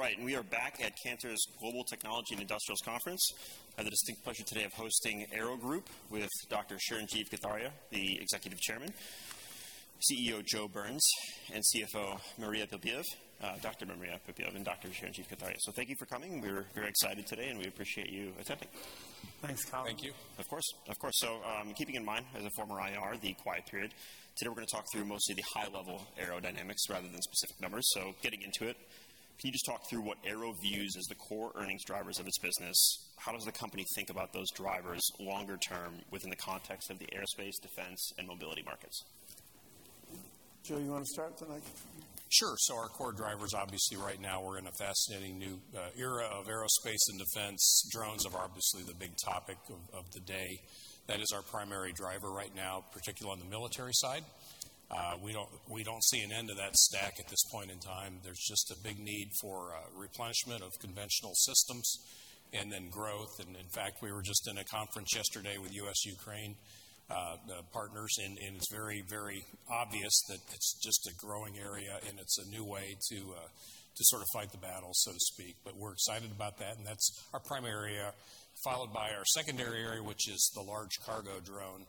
All right. We are back at Cantor's Global Technology and Industrials Conference. I have the distinct pleasure today of hosting AIRO Group with Dr. Chirinjeev Kathuria, the Executive Chairman, CEO Joseph Burns, and CFO Dr. Mariya Pylypiv. Thank you for coming. We're very excited today, and we appreciate you attending. Thanks, Colin. Thank you. Of course. Keeping in mind, as a former IR, the quiet period, today we're gonna talk through mostly the high-level aerodynamics rather than specific numbers. Getting into it, can you just talk through what AIRO views as the core earnings drivers of its business? How does the company think about those drivers longer term within the context of the aerospace, defense, and mobility markets? Joe, you wanna start tonight? Sure. Our core drivers, obviously right now we're in a fascinating new era of aerospace and defense. Drones are obviously the big topic of the day. That is our primary driver right now, particularly on the military side. We don't see an end to that stack at this point in time. There's just a big need for replenishment of conventional systems and then growth. In fact, we were just in a conference yesterday with US-Ukraine partners, and it's very, very obvious that it's just a growing area, and it's a new way to sort of fight the battle, so to speak. We're excited about that, and that's our primary area, followed by our secondary area, which is the large cargo drone,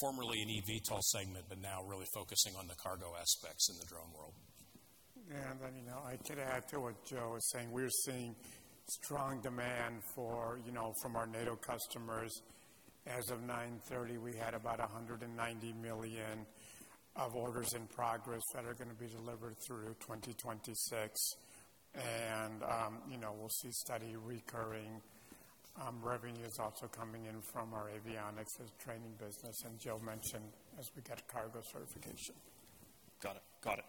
formerly an eVTOL segment, but now really focusing on the cargo aspects in the drone world. You know, I could add to what Joe is saying. We're seeing strong demand for, you know, from our NATO customers. As of 9:30, we had about $190 million of orders in progress that are gonna be delivered through 2026. You know, we'll see steady recurring revenues also coming in from our avionics training business, and Joe mentioned as we get cargo certification. Got it.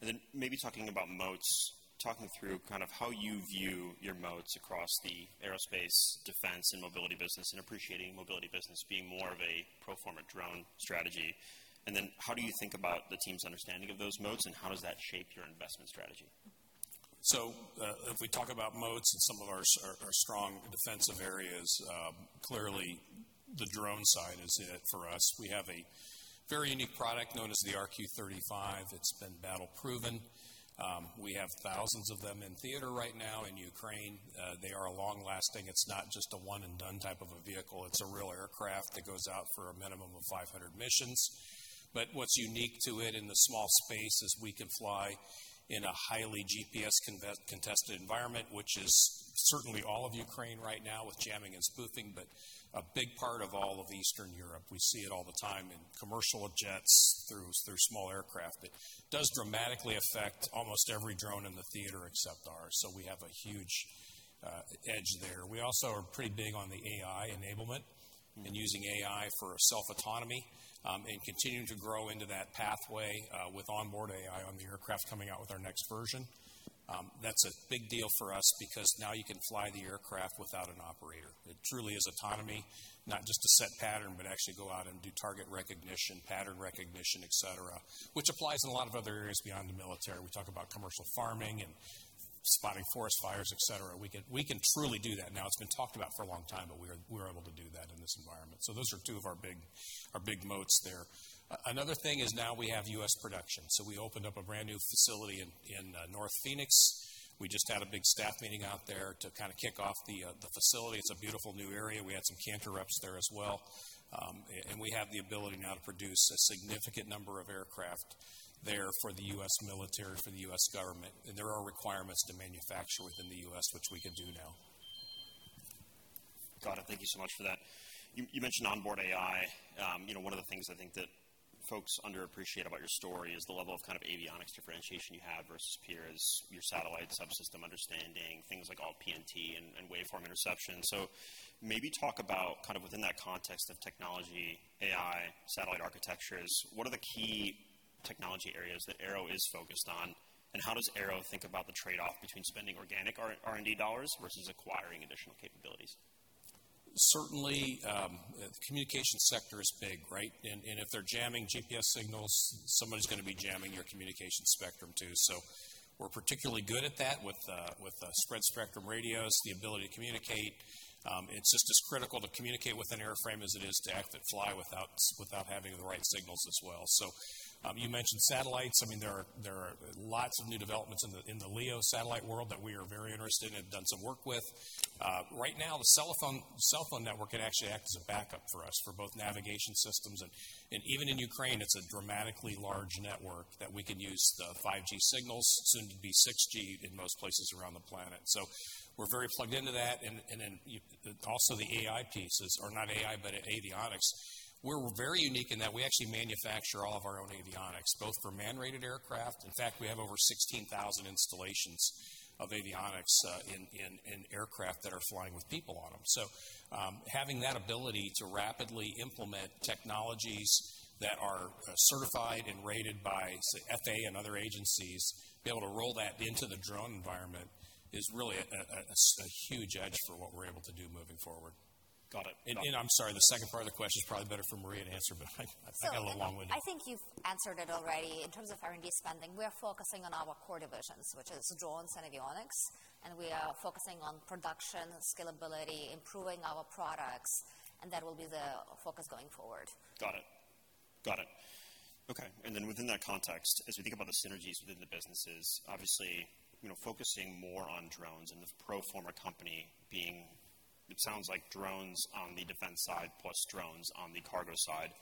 Then maybe talking about moats, talking through kind of how you view your moats across the aerospace, defense, and mobility business and appreciating mobility business being more of a pro forma drone strategy. Then how do you think about the team's understanding of those moats, and how does that shape your investment strategy? If we talk about moats and some of our strong defensive areas, clearly the drone side is in it for us. We have a very unique product known as the RQ-35. It's been battle proven. We have thousands of them in theater right now in Ukraine. They are long-lasting. It's not just a one-and-done type of a vehicle. It's a real aircraft that goes out for a minimum of 500 missions. What's unique to it in the small space is we can fly in a highly GPS contested environment, which is certainly all of Ukraine right now with jamming and spoofing, but a big part of all of Eastern Europe. We see it all the time in commercial jets through small aircraft. It does dramatically affect almost every drone in the theater except ours, so we have a huge edge there. We also are pretty big on the AI enablement and using AI for self-autonomy, and continuing to grow into that pathway, with onboard AI on the aircraft coming out with our next version. That's a big deal for us because now you can fly the aircraft without an operator. It truly is autonomy, not just a set pattern, but actually go out and do target recognition, pattern recognition, et cetera, which applies in a lot of other areas beyond the military. We talk about commercial farming and spotting forest fires, et cetera. We can truly do that now. It's been talked about for a long time, but we're able to do that in this environment. Those are two of our big moats there. Another thing is now we have U.S. production, so we opened up a brand-new facility in North Phoenix. We just had a big staff meeting out there to kind of kick off the facility. It's a beautiful new area. We had some Cantor reps there as well. We have the ability now to produce a significant number of aircraft there for the U.S. military, for the U.S. government, and there are requirements to manufacture within the U.S., which we can do now. Got it. Thank you so much for that. You mentioned onboard AI. You know, one of the things I think that folks underappreciate about your story is the level of kind of avionics differentiation you have versus peers, your satellite subsystem understanding, things like alt-PNT and waveform interception. Maybe talk about within that context of technology, AI, satellite architectures, what are the key technology areas that AIRO is focused on, and how does AIRO think about the trade-off between spending organic R&D dollars versus acquiring additional capabilities? Certainly, the communication sector is big, right? If they're jamming GPS signals, somebody's gonna be jamming your communication spectrum too. We're particularly good at that with spread spectrum radios, the ability to communicate. It's just as critical to communicate with an airframe as it is to actually fly without having the right signals as well. You mentioned satellites. I mean, there are lots of new developments in the LEO satellite world that we are very interested in and done some work with. Right now, the cellphone network can actually act as a backup for us for both navigation systems, and even in Ukraine, it's a dramatically large network that we can use the 5G signals, soon to be 6G in most places around the planet. We're very plugged into that. Also the AI pieces or not AI, but avionics. We're very unique in that we actually manufacture all of our own avionics, both for man-rated aircraft. In fact, we have over 16,000 installations of avionics in aircraft that are flying with people on them. Having that ability to rapidly implement technologies that are certified and rated by, say, FAA and other agencies, be able to roll that into the drone environment is really a huge edge for what we're able to do moving forward. Got it. I'm sorry, the second part of the question is probably better for Mariya to answer, but I went a long way. I think you've answered it already. In terms of R&D spending, we are focusing on our core divisions, which is drones and avionics, and we are focusing on production, scalability, improving our products, and that will be the focus going forward. Got it. Okay. Within that context, as we think about the synergies within the businesses, obviously, you know, focusing more on drones and the pro forma company being, it sounds like drones on the defense side, plus drones on the cargo side.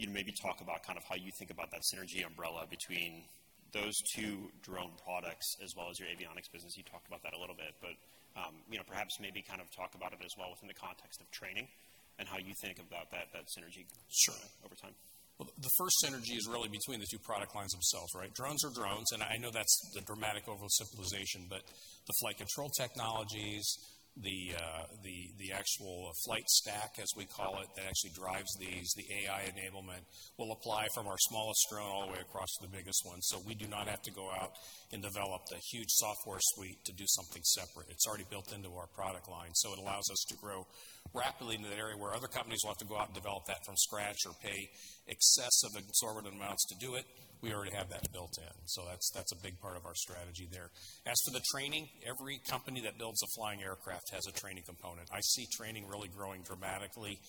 Can you maybe talk about kind of how you think about that synergy umbrella between those two drone products as well as your avionics business? You talked about that a little bit, but, you know, perhaps maybe kind of talk about it as well within the context of training and how you think about that synergy- Sure. over time. Well, the first synergy is really between the two product lines themselves, right? Drones are drones, and I know that's the dramatic oversimplification, but the flight control technologies, the actual flight stack, as we call it, that actually drives these, the AI enablement, will apply from our smallest drone all the way across to the biggest one. We do not have to go out and develop the huge software suite to do something separate. It's already built into our product line. It allows us to grow rapidly in an area where other companies will have to go out and develop that from scratch or pay excessive, exorbitant amounts to do it. We already have that built in, so that's a big part of our strategy there. As for the training, every company that builds a flying aircraft has a training component. I see training really growing dramatically.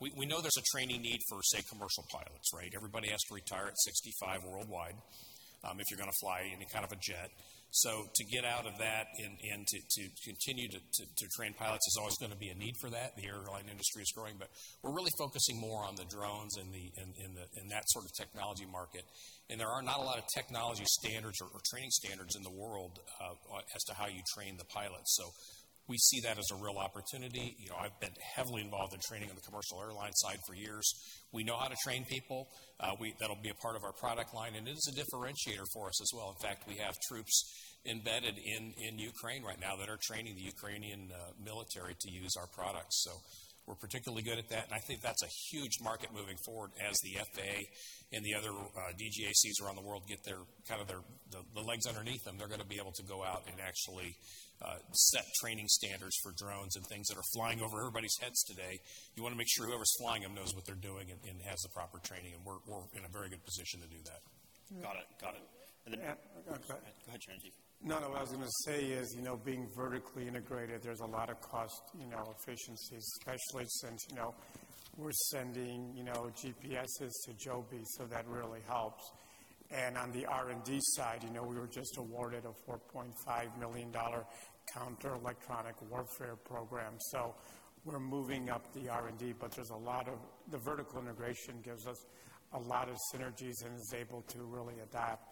We know there's a training need for, say, commercial pilots, right? Everybody has to retire at 65 worldwide, if you're gonna fly any kind of a jet. To get out of that and to train pilots, there's always gonna be a need for that. The airline industry is growing, but we're really focusing more on the drones and in that sort of technology market. There are not a lot of technology standards or training standards in the world as to how you train the pilots. We see that as a real opportunity. You know, I've been heavily involved in training on the commercial airline side for years. We know how to train people. That'll be a part of our product line, and it is a differentiator for us as well. In fact, we have troops embedded in Ukraine right now that are training the Ukrainian military to use our products. We're particularly good at that, and I think that's a huge market moving forward as the FAA and the other DGACs around the world get their legs underneath them. They're gonna be able to go out and actually set training standards for drones and things that are flying over everybody's heads today. You wanna make sure whoever's flying them knows what they're doing and has the proper training, and we're in a very good position to do that. Got it. Yeah. Go ahead, Chirinjeev. No, no, what I was gonna say is, you know, being vertically integrated, there's a lot of cost, you know, efficiencies, especially since, you know, we're sending, you know, GPSes to Joby, so that really helps. On the R&D side, you know, we were just awarded a $4.5 million counter electronic warfare program. We're moving up the R&D, but there's a lot of, the vertical integration gives us a lot of synergies and is able to really adapt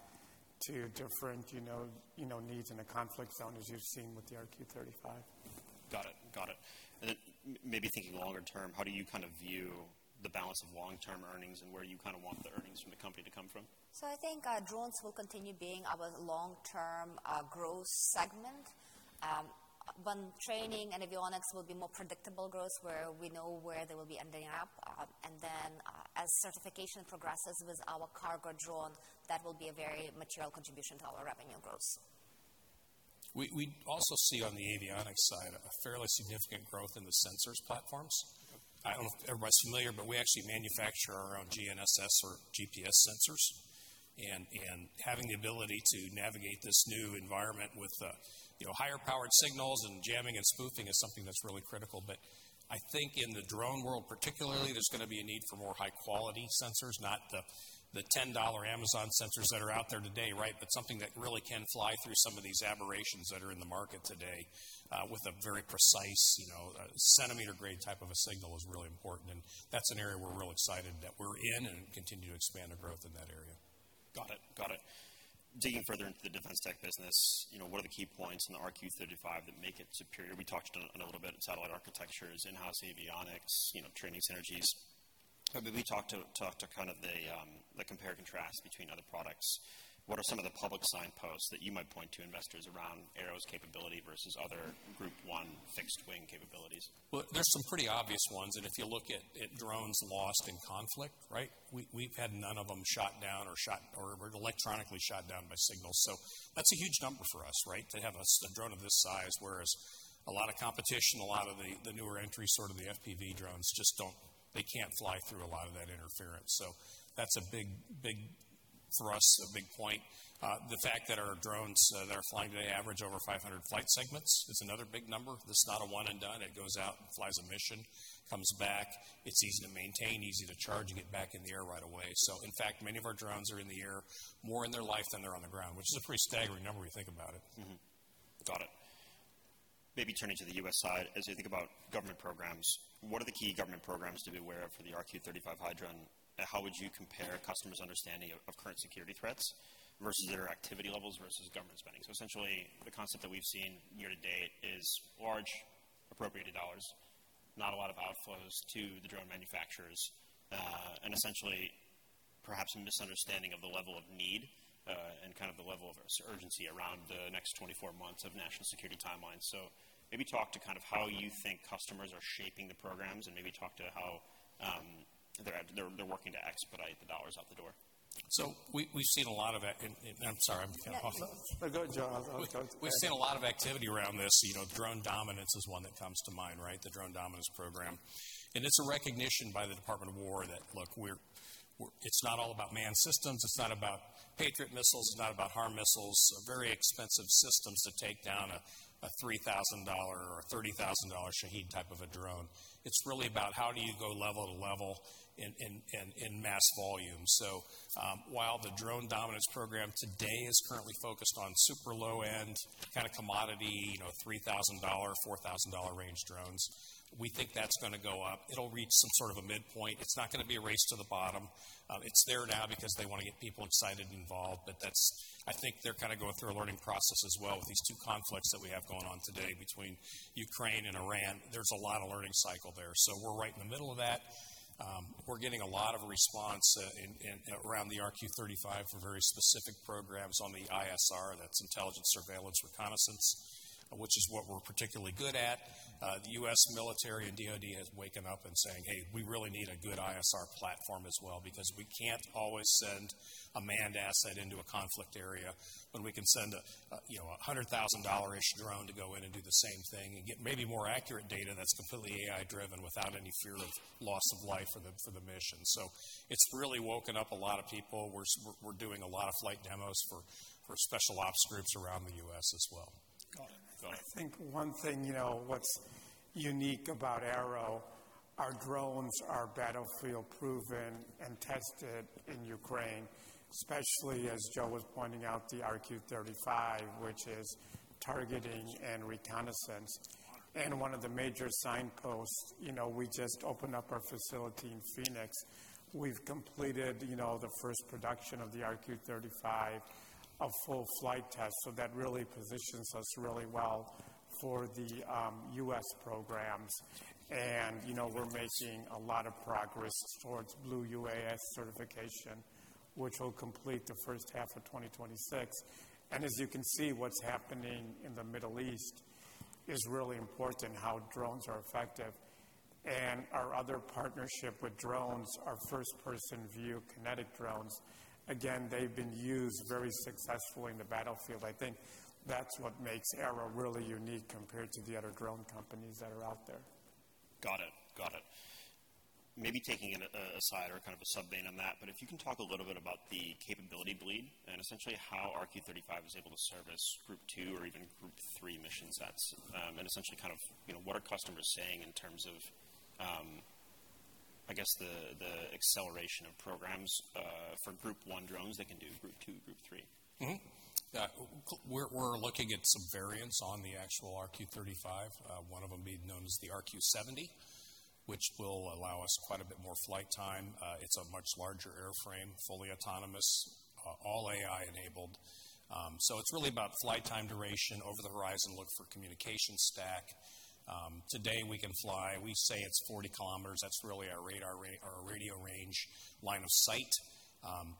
to different, you know, you know, needs in the conflict zone, as you've seen with the RQ-35. Got it. Maybe thinking longer term, how do you kind of view the balance of long-term earnings and where you kind of want the earnings from the company to come from? I think drones will continue being our long-term growth segment. Training and avionics will be more predictable growth, where we know where they will be ending up. As certification progresses with our cargo drone, that will be a very material contribution to our revenue growth. We also see on the avionics side a fairly significant growth in the sensors platforms. I don't know if everybody's familiar, but we actually manufacture our own GNSS or GPS sensors. Having the ability to navigate this new environment with, you know, higher-powered signals and jamming and spoofing is something that's really critical. I think in the drone world particularly, there's gonna be a need for more high-quality sensors, not the $10 Amazon sensors that are out there today, right? Something that really can fly through some of these aberrations that are in the market today, with a very precise, you know, centimeter-grade type of a signal is really important. That's an area we're really excited that we're in and continue to expand our growth in that area. Got it. Digging further into the defense tech business, you know, what are the key points in the RQ-35 that make it superior? We touched on a little bit in satellite architectures, in-house avionics, you know, training synergies. Maybe talk to kind of the compare and contrast between other products. What are some of the public signposts that you might point to investors around AIRO's capability versus other Group 1 fixed wing capabilities? Well, there's some pretty obvious ones, and if you look at drones lost in conflict, right? We've had none of them shot down or electronically shot down by signals. That's a huge number for us, right? To have a drone of this size, whereas a lot of competition, a lot of the newer entries, sort of the FPV drones just don't. They can't fly through a lot of that interference. That's a big point for us. The fact that our drones that are flying today average over 500 flight segments is another big number. That's not a one and done. It goes out and flies a mission, comes back. It's easy to maintain, easy to charge. You get back in the air right away. In fact, many of our drones are in the air more in their life than they're on the ground, which is a pretty staggering number when you think about it. Mm-hmm. Got it. Maybe turning to the U.S. side, as you think about government programs, what are the key government programs to be aware of for the RQ-35 Heidrun? How would you compare customers' understanding of current security threats versus their activity levels versus government spending? Essentially, the concept that we've seen year to date is large appropriated dollars, not a lot of outflows to the drone manufacturers, and essentially perhaps a misunderstanding of the level of need, and kind of the level of urgency around the next 24 months of national security timeline. Maybe talk to kind of how you think customers are shaping the programs, and maybe talk to how they're working to expedite the dollars out the door. We've seen a lot of that, and I'm sorry. I'm getting off. No, go ahead, Joe. We've seen a lot of activity around this. You know, drone dominance is one that comes to mind, right? The drone dominance program. It's a recognition by the Department of War that, look, it's not all about manned systems. It's not about Patriot missiles. It's not about HARM missiles, very expensive systems to take down a $3,000 or $30,000 Shahed type of a drone. It's really about how do you go level to level in mass volume. While the drone dominance program today is currently focused on super low-end kind of commodity, you know, $3,000, $4,000 range drones, we think that's gonna go up. It'll reach some sort of a midpoint. It's not gonna be a race to the bottom. It's there now because they wanna get people excited and involved. I think they're kind of going through a learning process as well with these two conflicts that we have going on today between Ukraine and Iran. There's a lot of learning cycle there. We're right in the middle of that. We're getting a lot of response around the RQ-35 for very specific programs on the ISR, that's intelligence surveillance reconnaissance, which is what we're particularly good at. The U.S. military and DoD is waking up and saying, "Hey, we really need a good ISR platform as well, because we can't always send a manned asset into a conflict area, but we can send a you know $100,000-ish drone to go in and do the same thing and get maybe more accurate data that's completely AI-driven without any fear of loss of life for the mission." It's really woken up a lot of people. We're doing a lot of flight demos for special ops groups around the U.S. as well. Got it. I think one thing, you know, what's unique about AIRO, our drones are battlefield-proven and tested in Ukraine, especially, as Joe was pointing out, the RQ-35, which is targeting and reconnaissance. One of the major signposts, you know, we just opened up our facility in Phoenix. We've completed, you know, the first production of the RQ-35, a full flight test. That really positions us really well for the U.S. programs. You know, we're making a lot of progress towards Blue UAS certification, which will complete the first half of 2026. As you can see, what's happening in the Middle East is really important, how drones are effective. Our other partnership with drones, our first-person view, kinetic drones, again, they've been used very successfully in the battlefield. I think that's what makes AIRO really unique compared to the other drone companies that are out there. Got it. Maybe taking it aside or kind of a sub vein on that, but if you can talk a little bit about the capability bleed and essentially how RQ-35 is able to service Group 2 or even Group 3 mission sets, and essentially kind of, you know, what are customers saying in terms of, I guess, the acceleration of programs for Group 1 drones that can do Group 2, Group 3. We're looking at some variants on the actual RQ-35, one of them being known as the RQ-70, which will allow us quite a bit more flight time. It's a much larger airframe, fully autonomous, all AI-enabled. So it's really about flight time duration, over-the-horizon link for communication stack. Today we can fly, we say it's 40 kilometers. That's really our radio range line of sight.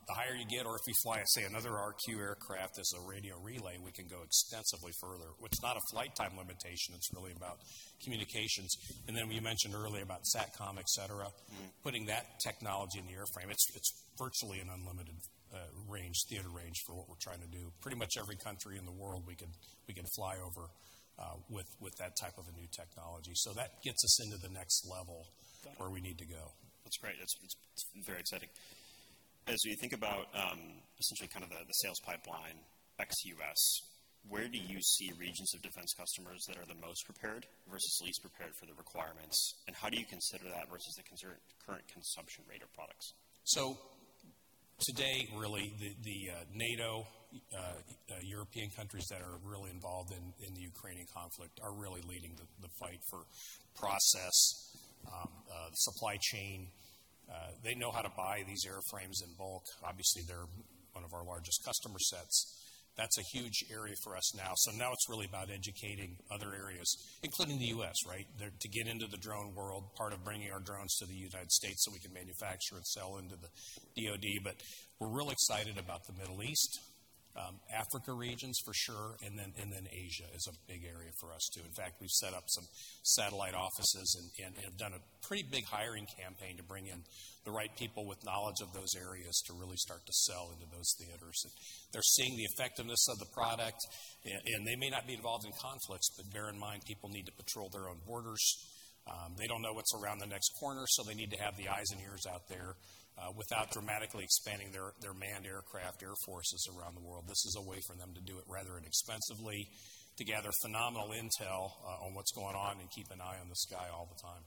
The higher you get or if you fly, say, another RQ aircraft as a radio relay, we can go extensively further, which is not a flight time limitation. It's really about communications. We mentioned earlier about SATCOM, etc. Mm-hmm. Putting that technology in the airframe, it's virtually an unlimited range, theater range for what we're trying to do. Pretty much every country in the world we could fly over with that type of a new technology. That gets us into the next level where we need to go. That's great. That's it. It's very exciting. As you think about essentially kind of the sales pipeline ex-US, where do you see regions of defense customers that are the most prepared versus least prepared for the requirements, and how do you consider that versus the current consumption rate of products? Today, really, the NATO European countries that are really involved in the Ukrainian conflict are really leading the fight for process supply chain. They know how to buy these airframes in bulk. Obviously, they're one of our largest customer sets. That's a huge area for us now. Now it's really about educating other areas, including the U.S., right? To get into the drone world, part of bringing our drones to the United States so we can manufacture and sell into the DoD. But we're real excited about the Middle East, Africa regions for sure, and then Asia is a big area for us, too. In fact, we've set up some satellite offices and have done a pretty big hiring campaign to bring in the right people with knowledge of those areas to really start to sell into those theaters. They're seeing the effectiveness of the product. They may not be involved in conflicts, but bear in mind, people need to patrol their own borders. They don't know what's around the next corner, so they need to have the eyes and ears out there, without dramatically expanding their manned aircraft air forces around the world. This is a way for them to do it rather inexpensively to gather phenomenal intel, on what's going on and keep an eye on the sky all the time.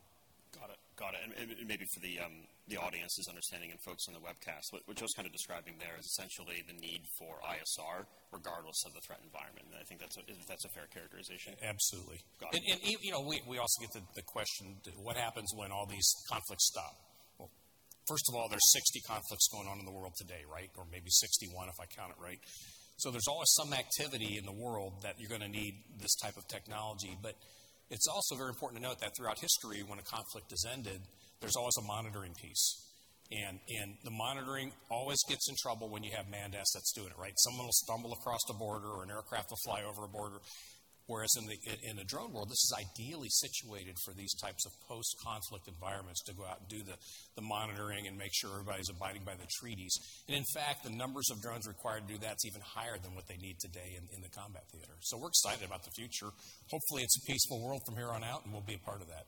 Got it. Maybe for the audience's understanding and folks on the webcast, what Joe's kind of describing there is essentially the need for ISR regardless of the threat environment. I think that's a fair characterization. Absolutely. Got it. You know, we also get the question, what happens when all these conflicts stop? Well, first of all, there's 60 conflicts going on in the world today, right? Or maybe 61, if I count it right. There's always some activity in the world that you're gonna need this type of technology. It's also very important to note that throughout history, when a conflict has ended, there's always a monitoring piece. The monitoring always gets in trouble when you have manned assets doing it, right? Someone will stumble across the border or an aircraft will fly over a border, whereas in the drone world, this is ideally situated for these types of post-conflict environments to go out and do the monitoring and make sure everybody's abiding by the treaties. In fact, the numbers of drones required to do that's even higher than what they need today in the combat theater. We're excited about the future. Hopefully, it's a peaceful world from here on out, and we'll be a part of that.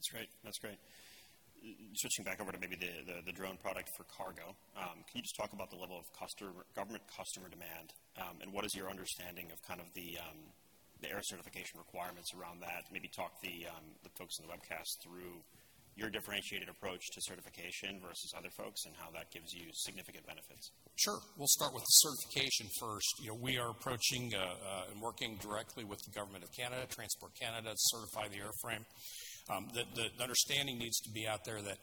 That's great. Switching back over to maybe the drone product for cargo. Can you just talk about the level of government customer demand, and what is your understanding of kind of the air certification requirements around that? Maybe talk the folks on the webcast through your differentiated approach to certification versus other folks, and how that gives you significant benefits. Sure. We'll start with the certification first. You know, we are approaching and working directly with the government of Canada, Transport Canada, to certify the airframe. The understanding needs to be out there that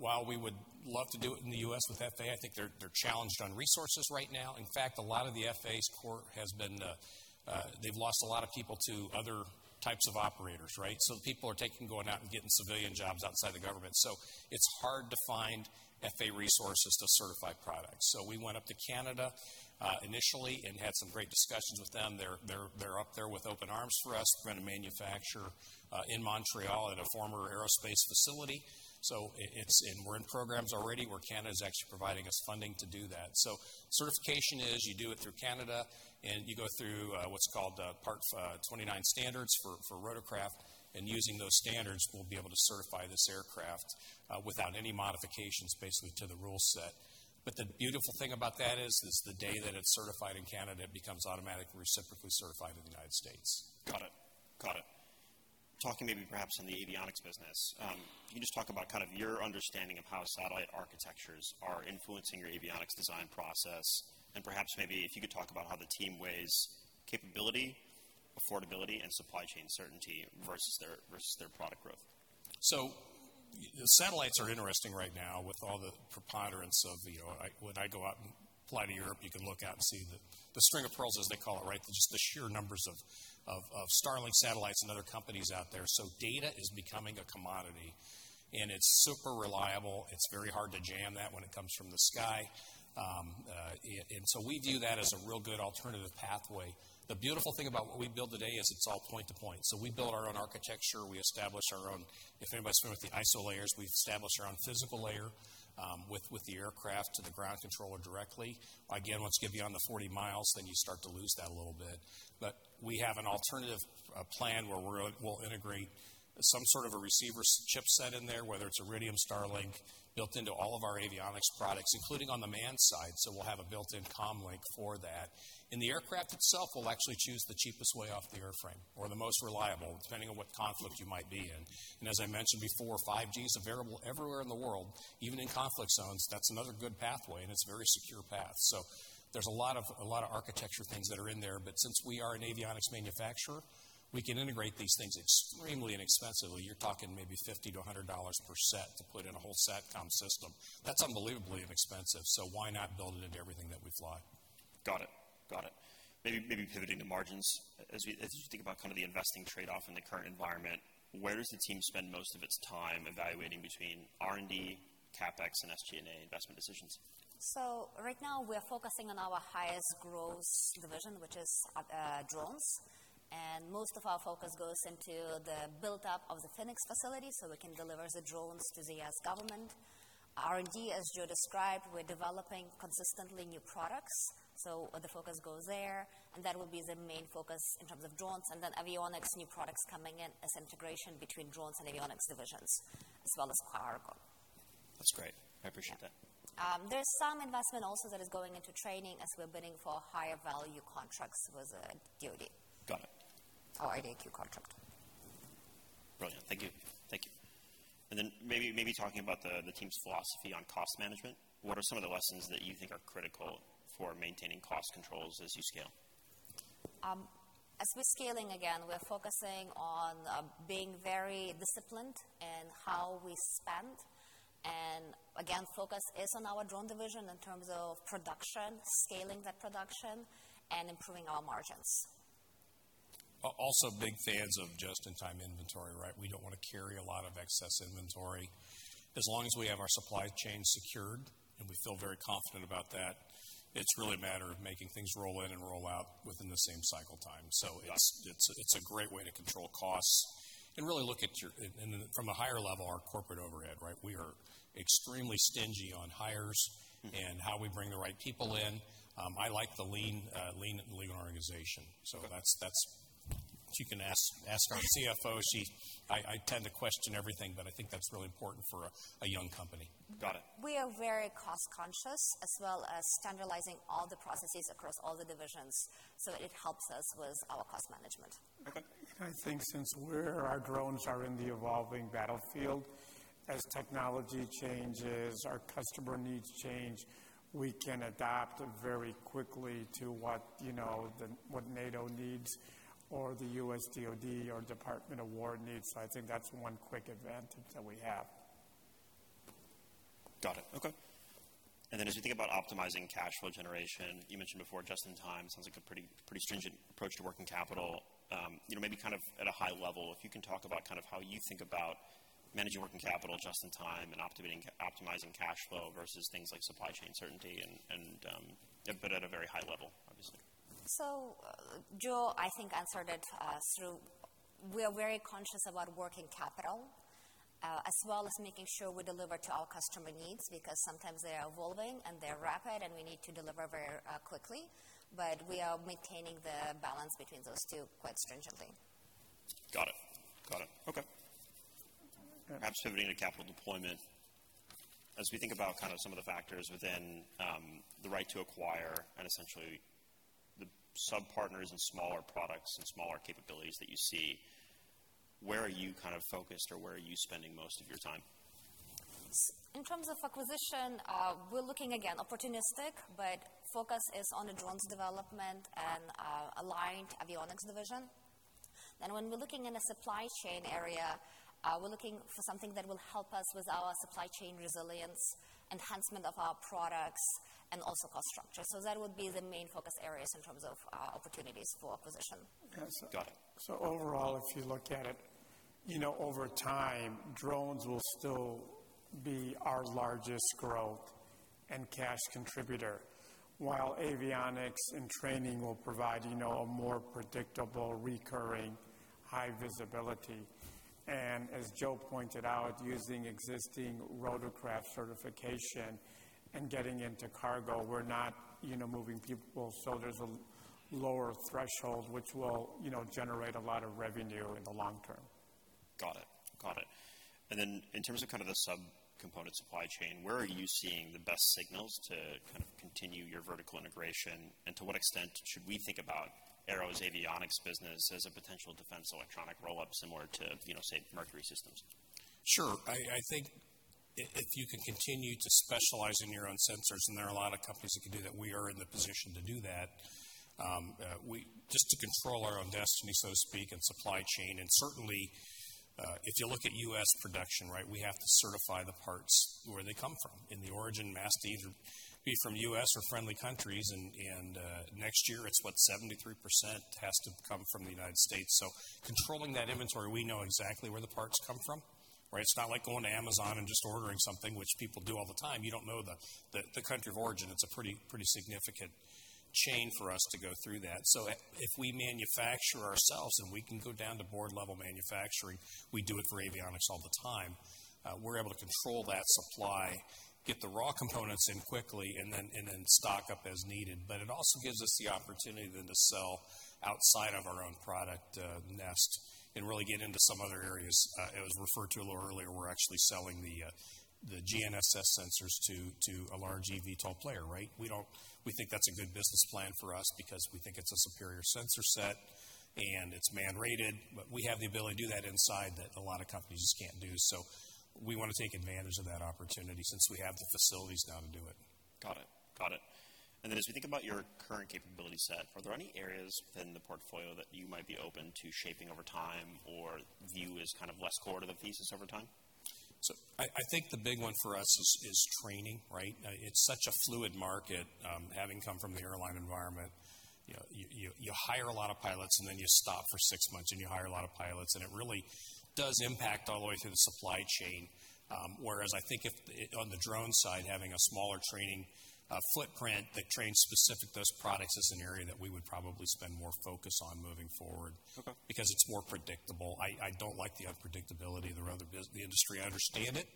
while we would love to do it in the U.S. with FAA, I think they're challenged on resources right now. In fact, a lot of the FAA support has been. They've lost a lot of people to other types of operators, right? People are going out and getting civilian jobs outside the government. It's hard to find FAA resources to certify products. We went up to Canada initially and had some great discussions with them. They're up there with open arms for us. We're going to manufacture in Montreal at a former aerospace facility. We're in programs already where Canada is actually providing us funding to do that. Certification is, you do it through Canada, and you go through what's called Part 29 standards for rotorcraft. Using those standards, we'll be able to certify this aircraft without any modifications, basically, to the rule set. The beautiful thing about that is the day that it's certified in Canada, it becomes automatically reciprocally certified in the United States. Got it. Talking maybe perhaps on the avionics business, can you just talk about kind of your understanding of how satellite architectures are influencing your avionics design process? Perhaps maybe if you could talk about how the team weighs capability, affordability, and supply chain certainty versus their product growth. Satellites are interesting right now with all the preponderance of. When I go out and fly to Europe, you can look out and see the string of pearls, as they call it, right? Just the sheer numbers of Starlink satellites and other companies out there. Data is becoming a commodity, and it's super reliable. It's very hard to jam that when it comes from the sky. We view that as a real good alternative pathway. The beautiful thing about what we build today is it's all point-to-point. We build our own architecture. We establish our own. If anybody's familiar with the OSI layers, we establish our own physical layer, with the aircraft to the ground controller directly. Again, once you get beyond the 40 miles, then you start to lose that a little bit. We have an alternative plan where we'll integrate some sort of a receiver chipset in there, whether it's Iridium, Starlink, built into all of our avionics products, including on the manned side. We'll have a built-in comm link for that. In the aircraft itself, we'll actually choose the cheapest way on the airframe or the most reliable, depending on what conflict you might be in. As I mentioned before, 5G is available everywhere in the world, even in conflict zones. That's another good pathway, and it's a very secure path. There's a lot of architecture things that are in there. Since we are an avionics manufacturer, we can integrate these things extremely inexpensively. You're talking maybe $50-$100 per set to put in a whole satcom system. That's unbelievably inexpensive. Why not build it into everything that we fly? Got it. Maybe pivoting to margins. As you think about kind of the investing trade-off in the current environment, where does the team spend most of its time evaluating between R&D, CapEx, and SG&A investment decisions? Right now we're focusing on our highest growth division, which is drones. Most of our focus goes into the build-up of the Phoenix facility, so we can deliver the drones to the U.S. government. R&D, as Joe Burns described, we're developing consistently new products. The focus goes there, and that will be the main focus in terms of drones, and then avionics, new products coming in as integration between drones and avionics divisions, as well as cargo. That's great. I appreciate that. There's some investment also that is going into training as we're bidding for higher value contracts with the DoD. Got it. Our IDIQ contract. Brilliant. Thank you. Thank you. Maybe talking about the team's philosophy on cost management, what are some of the lessons that you think are critical for maintaining cost controls as you scale? As we're scaling again, we're focusing on being very disciplined in how we spend. Again, focus is on our drone division in terms of production, scaling that production, and improving our margins. Also big fans of just-in-time inventory, right? We don't want to carry a lot of excess inventory. As long as we have our supply chain secured, and we feel very confident about that, it's really a matter of making things roll in and roll out within the same cycle time. It's a great way to control costs. From a higher level, our corporate overhead, right? We are extremely stingy on hires and how we bring the right people in. I like the lean organization. You can ask our CFO. I tend to question everything, but I think that's really important for a young company. Got it. We are very cost-conscious, as well as standardizing all the processes across all the divisions, so that it helps us with our cost management. Okay. I think since our drones are in the evolving battlefield, as technology changes, our customer needs change, we can adapt very quickly to what, you know, the, what NATO needs or the U.S. DoD or Department of War needs. I think that's one quick advantage that we have. Got it. Okay. Then as you think about optimizing cash flow generation, you mentioned before just in time. Sounds like a pretty stringent approach to working capital. You know, maybe kind of at a high level, if you can talk about kind of how you think about managing working capital just in time and optimizing cash flow versus things like supply chain certainty and but at a very high level, obviously. Joe, I think, answered it through we are very conscious about working capital as well as making sure we deliver to our customer needs, because sometimes they are evolving, and they're rapid, and we need to deliver very quickly. We are maintaining the balance between those two quite stringently. Got it. Perhaps pivoting to capital deployment. As we think about kind of some of the factors within, the right to acquire and essentially the subpartners and smaller products and smaller capabilities that you see, where are you kind of focused, or where are you spending most of your time? In terms of acquisition, we're looking again, opportunistic, but focus is on the drones development and aligned avionics division. When we're looking in a supply chain area, we're looking for something that will help us with our supply chain resilience, enhancement of our products and also cost structure. That would be the main focus areas in terms of opportunities for acquisition. Got it. Overall, if you look at it, you know, over time, drones will still be our largest growth and cash contributor. While avionics and training will provide, you know, a more predictable, recurring, high visibility. As Joe pointed out, using existing rotorcraft certification and getting into cargo, we're not, you know, moving people, so there's a lower threshold which will, you know, generate a lot of revenue in the long term. Got it. In terms of kind of the subcomponent supply chain, where are you seeing the best signals to kind of continue your vertical integration? To what extent should we think about AIRO's avionics business as a potential defense electronics roll-up similar to, you know, say, Mercury Systems? Sure. I think if you can continue to specialize in your own sensors, and there are a lot of companies that can do that, we are in the position to do that, just to control our own destiny, so to speak, and supply chain. Certainly, if you look at U.S. production, right, we have to certify the parts where they come from. In the origin, it has to either be from U.S. or friendly countries, and next year it's about 73% has to come from the United States. Controlling that inventory, we know exactly where the parts come from, right? It's not like going to Amazon and just ordering something, which people do all the time. You don't know the country of origin. It's a pretty significant chain for us to go through that. If we manufacture ourselves, and we can go down to board-level manufacturing, we do it for avionics all the time. We're able to control that supply, get the raw components in quickly, and then stock up as needed. It also gives us the opportunity then to sell outside of our own product nest and really get into some other areas. It was referred to a little earlier. We're actually selling the GNSS sensors to a large eVTOL player, right? We think that's a good business plan for us because we think it's a superior sensor set and it's man-rated. We have the ability to do that in-house that a lot of companies just can't do. We wanna take advantage of that opportunity since we have the facilities now to do it. Got it. As we think about your current capability set, are there any areas within the portfolio that you might be open to shaping over time or view as kind of less core to the thesis over time? I think the big one for us is training, right? It's such a fluid market, having come from the airline environment. You hire a lot of pilots, and then you stop for six months, and you hire a lot of pilots, and it really does impact all the way through the supply chain. Whereas I think, on the drone side, having a smaller training footprint that trains specific to those products is an area that we would probably spend more focus on moving forward. Okay. Because it's more predictable. I don't like the unpredictability of the industry. I understand it.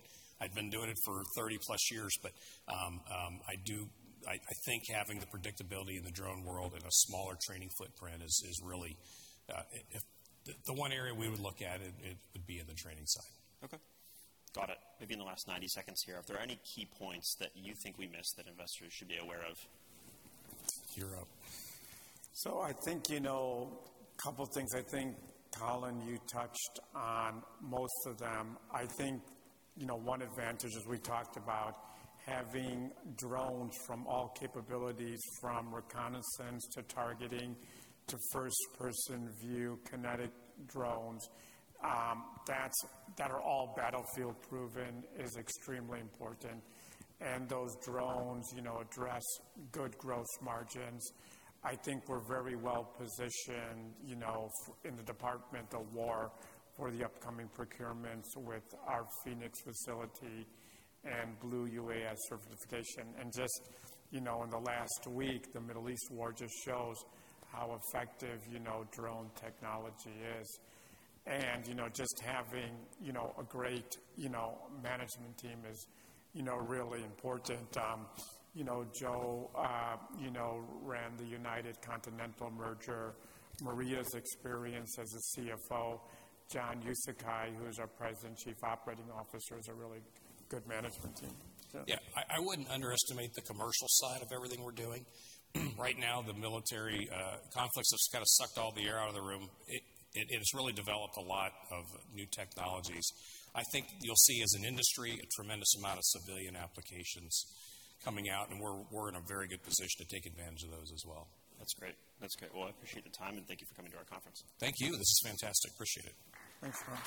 I've been doing it for 30-plus years, but I think having the predictability in the drone world and a smaller training footprint is really. The one area we would look at it would be in the training side. Okay, got it. Maybe in the last 90 seconds here, are there any key points that you think we missed that investors should be aware of? You're up. I think, you know, couple things. I think, you know, one advantage, as we talked about, having drones from all capabilities, from reconnaissance to targeting, to first-person view, kinetic drones, that are all battlefield proven is extremely important. Those drones, you know, address good growth margins. I think we're very well positioned, you know, in the Department of War for the upcoming procurements with our Phoenix facility and Blue UAS certification. Just, you know, in the last week, the Middle East war just shows how effective, you know, drone technology is. You know, just having, you know, a great, you know, management team is, you know, really important. You know, Joe, you know, ran the United Continental merger. Mariya's experience as a CFO, John Uczekaj, who's our President and Chief Operating Officer, is a really good management team. Yeah, I wouldn't underestimate the commercial side of everything we're doing. Right now, the military conflicts have just kind of sucked all the air out of the room. It has really developed a lot of new technologies. I think you'll see as an industry, a tremendous amount of civilian applications coming out, and we're in a very good position to take advantage of those as well. That's great. Well, I appreciate the time, and thank you for coming to our conference. Thank you. This is fantastic. Appreciate it. Thanks, Colin.